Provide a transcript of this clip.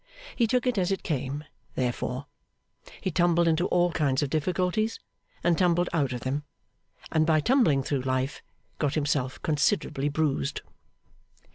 He took it as it came, therefore; he tumbled into all kinds of difficulties, and tumbled out of them; and, by tumbling through life, got himself considerably bruised.